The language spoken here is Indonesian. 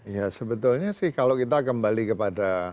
ya sebetulnya sih kalau kita kembali kepada